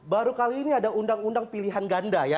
baru kali ini ada undang undang pilihan ganda ya